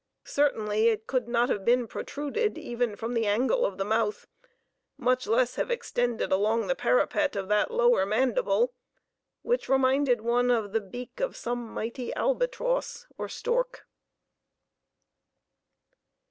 Certainly it could not have been protruded even from the angle of the mouth, much less have extended along the parapet of that lower mandible, which reminded one of the beak of some mighty albatross or stork.